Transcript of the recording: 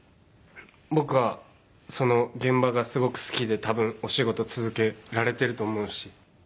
僕はその現場がすごく好きで多分お仕事を続けられてると思うし。